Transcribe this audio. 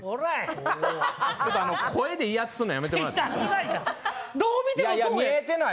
ちょっと声で威圧するのやめてもらっていい？